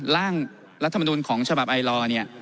ร่างรัฐมนูลของฉบับไอลอร์